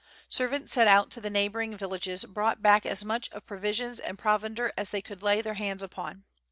Servants sent out to the neighboring villages brought back as much of provisions and provender as they could lay their hands upon.